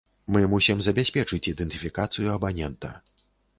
Мы мусім забяспечыць ідэнтыфікацыю абанента.